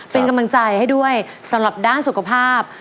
เป็นกำลังใจให้ด้วยสำหรับด้านสุขภาพ